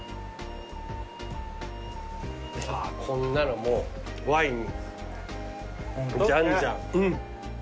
あーこんなのもうワインじゃんじゃん。